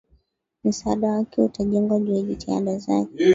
msaada wake utajengwa juu ya jitihada zake